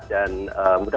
jadi ada suatu kecimbangan